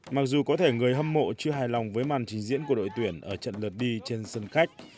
mặc dù có thể người hâm mộ chưa hài lòng với màn trình diễn của đội tuyển ở trận lượt đi trên sân khách